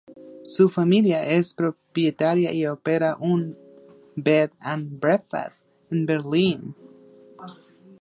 Su familia es propietaria y opera un bed and breakfast en Berlín.